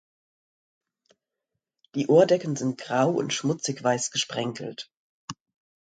Die Ohrdecken sind grau und schmutzig weiß gesprenkelt.